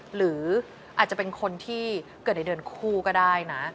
หรืออาจจะเป็นคนที่เกิดในเดือนคู่ก็ได้นะ